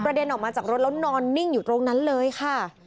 เด็นออกมาจากรถแล้วนอนนิ่งอยู่ตรงนั้นเลยค่ะ